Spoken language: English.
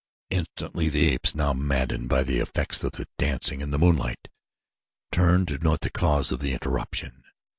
Instantly the apes, now maddened by the effects of the dancing and the moonlight, turned to note the cause of the interruption.